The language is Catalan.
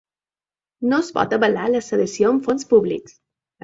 No es pot avalar la sedició amb fons públics.